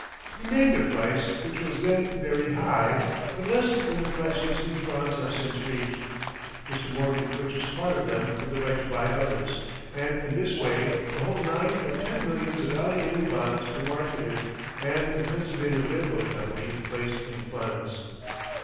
He named a price which was then very high, but less than the price which these bonds have since reached. Mr. Morgan purchased part of them with the right to buy others, and in this way the whole nine or ten millions of Allegheny bonds were marketed and the Pennsylvania Railroad Company placed in funds.